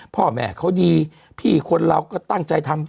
พ่อแม่เขาดีพี่คนเราก็ตั้งใจทำ